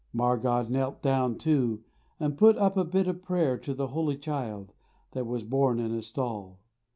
Margad knelt down, too, and put up a bit of a prayer to the Holy Child that was born in a stall.